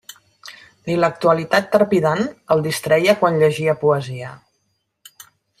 Ni l'actualitat trepidant el distreia quan llegia poesia.